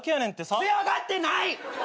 強がってない！